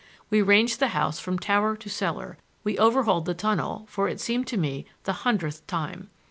We ranged the house from tower to cellar; we overhauled the tunnel, for, it seemed to me, the hundredth time.